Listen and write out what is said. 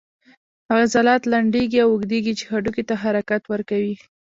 عضلات لنډیږي او اوږدیږي چې هډوکو ته حرکت ورکوي